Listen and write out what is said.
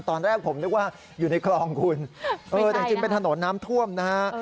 ตอนแรกผมนึกว่าอยู่ในคลองคุณเออแต่จริงเป็นถนนน้ำท่วมนะฮะ